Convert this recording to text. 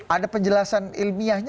ada penjelasan ilmiahnya